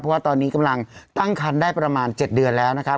เพราะว่าตอนนี้กำลังตั้งคันได้ประมาณ๗เดือนแล้วนะครับ